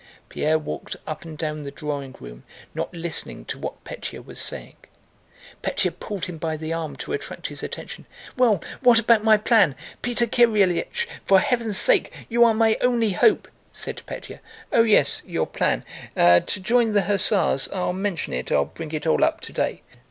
Pierre walked up and down the drawing room, not listening to what Pétya was saying. Pétya pulled him by the arm to attract his attention. "Well, what about my plan? Peter Kirílych, for heaven's sake! You are my only hope," said Pétya. "Oh yes, your plan. To join the hussars? I'll mention it, I'll bring it all up today."